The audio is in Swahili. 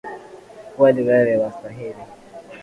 Kweli wewe wastahili